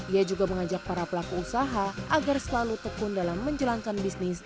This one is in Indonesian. ia juga mengajak para pelaku usaha agar selalu tekun dalam menjalankan bisnis